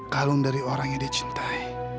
kalung dari orang yang dia cintai